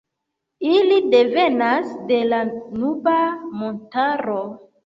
Ili devenas de la Nuba-montaro.